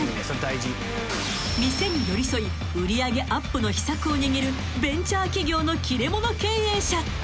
［店に寄り添い売上アップの秘策を握るベンチャー企業の切れ者経営者］